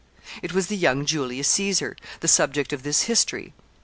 It was the young Julius Caesar, the subject of this history.